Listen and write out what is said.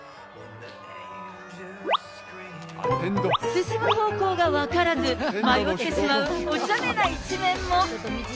進む方向が分からず、迷ってしまうおちゃめな一面も。